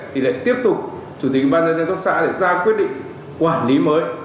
thì lại tiếp tục chủ tịch ban gia đình quốc xã để ra quyết định quản lý mới